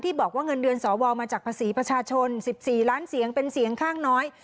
บอกว่าเงินเดือนสวมาจากภาษีประชาชน๑๔ล้านเสียงเป็นเสียงข้างน้อย